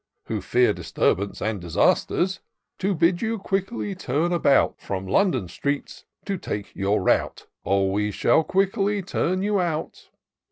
Who fear disturbance and disasters, To bid you quickly turn about. From London streets to take your rout, Or we shall quickly turn you out.